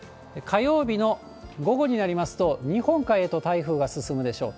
火曜日の午後になりますと、日本海へと台風が進むでしょう。